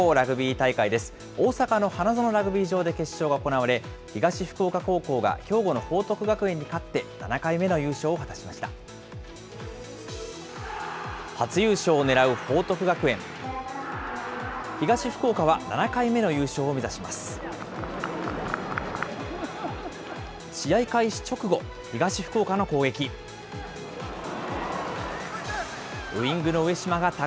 大阪の花園ラグビー場で決勝が行われ、東福岡高校が兵庫の報徳学園に勝って７回目の優勝を果たしました。